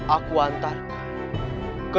aku antar kau